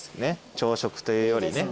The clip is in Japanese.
朝食というよりね。